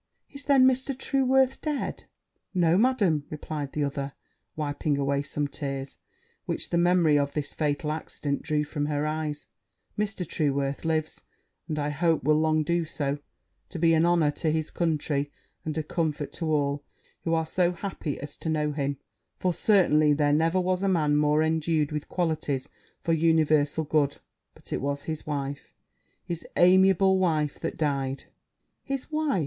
'Is, then, Mr. Trueworth dead?' 'No, Madam,' replied the other, wiping away some tears which the memory of this fatal accident drew from her eyes; 'Mr. Trueworth lives; and, I hope, will long do so, to be an honour to his country, and a comfort to all those who are so happy as to know him; for certainly there never was a man more endued with qualities for universal good: but it was his wife, his amiable wife, that died!' 'His wife!'